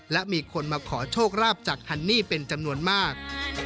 และมีคนมาขอโชคราบจากฮันนี่เป็นจำนวนมาก